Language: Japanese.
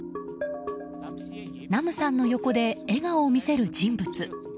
ナムさんの横で笑顔を見せる人物。